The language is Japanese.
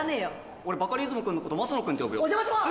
俺バカリズム君のこと升野君って呼ぶよお邪魔します！